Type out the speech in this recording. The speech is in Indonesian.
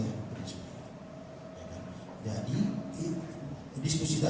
ini tidak hanya di balik ini nasional ya maka dilakukan penyesuaian